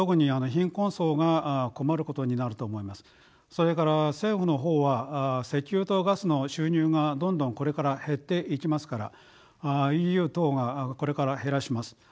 それから政府の方は石油とガスの収入がどんどんこれから減っていきますからＥＵ等がこれから減らします。